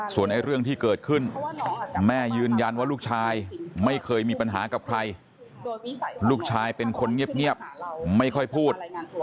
ส่วนเรื่องที่เกิดขึ้นแม่ยืนยันว่าลูกชายไม่เคยมีปัญหากับใครลูกชายเป็นคนเงียบไม่ค่อยพูด